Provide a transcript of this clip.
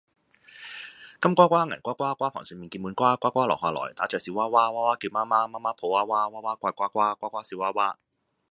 金瓜瓜，銀瓜瓜，瓜棚上面結滿瓜。瓜瓜落下來，打着小娃娃；娃娃叫媽媽，媽媽抱娃娃；娃娃怪瓜瓜，瓜瓜笑娃娃